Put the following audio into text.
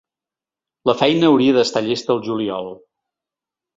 La feina hauria d’estar llesta al juliol.